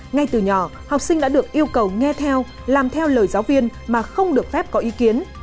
ngay từ nhỏ học sinh đã được yêu cầu nghe theo làm theo lời giáo viên mà không được phép có ý kiến